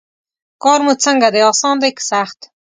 کار مو څنګه دی اسان دی که سخت.